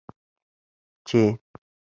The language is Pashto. چې: